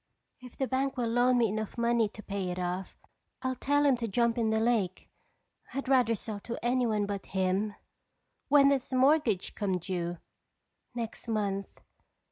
If the bank will loan me enough money to pay it off, I'll tell him to jump in the lake. I'd rather sell to anyone but him." "When does the mortgage come due?" "Next month."